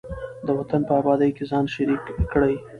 د وطن په ابادۍ کې ځان شریک کړئ.